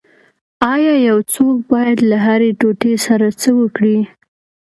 ایا یو څوک باید له هرې ټوټې سره څه وکړي